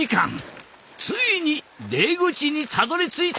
ついに出口にたどりついた！